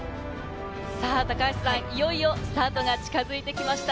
高橋さん、いよいよスタートが近づいてきました。